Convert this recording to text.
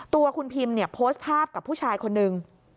ตัวคุณพิมเนี่ยโพสต์ภาพกับผู้ชายคนนึง